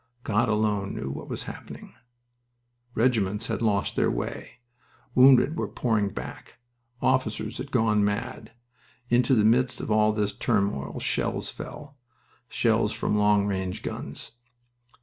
.. God alone knew what was happening. Regiments had lost their way. Wounded were pouring back. Officers had gone mad. Into the midst of all this turmoil shells fell shells from long range guns.